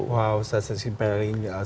wow cerita yang menarik ya